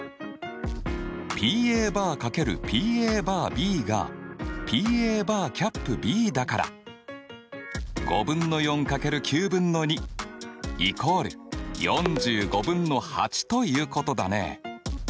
Ｐ×ＰバーがＰだから５分の４×９分の２＝４５分の８ということだね。